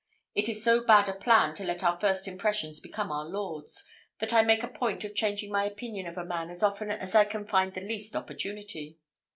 It is so bad a plan to let our first impressions become our lords, that I make a point of changing my opinion of a man as often as I can find the least opportunity."